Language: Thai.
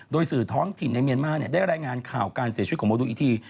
โดยสื่อท้องถิ่นในเมียนมาร์ได้รายงานข่าวการเสียชีวิตของโมดูอีกที